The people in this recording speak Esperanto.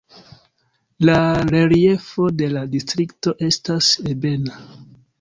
La reliefo de la distrikto estas ebena.